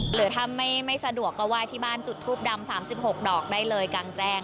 หรือถ้าไม่สะดวกก็ไหว้ที่บ้านจุดทูปดำ๓๖ดอกได้เลยกลางแจ้ง